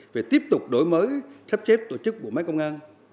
về tiếp tục đổi mới sắp xếp tổ chức bộ máy công an